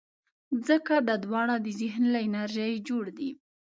ځکه دا دواړه د ذهن له انرژۍ جوړ دي.